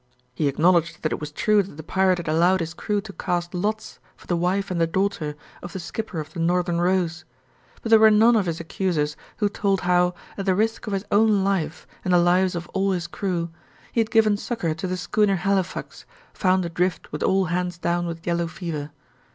He acknowledged that it was true that the pirate had allowed his crew to cast lots for the wife and the daughter of the skipper of the Northern Rose, but there were none of his accusers who told how, at the risk of his own life and the lives of all his crew, he had given succor to the schooner Halifax, found adrift with all hands down with yellow fever.